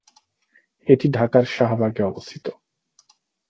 এটি ঢাকার শাহবাগে অবস্থিত।